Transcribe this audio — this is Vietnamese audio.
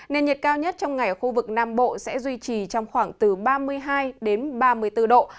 nền nhiệt cao nhất trong ngày ở khu vực nam bộ sẽ duy trì trong khoảng từ ba mươi hai ba mươi bốn độ